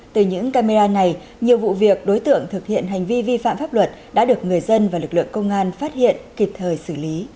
từ những camera này nhiều vụ việc đối tượng thực hiện hành vi vi phạm pháp luật đã được người dân và lực lượng công an phát hiện kịp thời xử lý